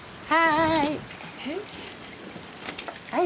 はい。